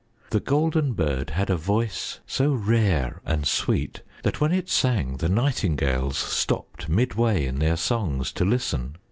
The Golden Bird had a voice so rare and sweet that when it sang the nightingales stopped midway in their songs to listen.